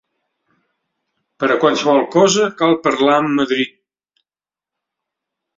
Per a qualsevol cosa, cal parlar amb Madrid